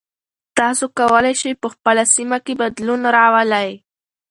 تاسو کولی شئ په خپله سیمه کې بدلون راولئ.